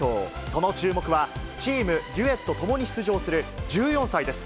その注目はチーム、デュエットともに出場する１４歳です。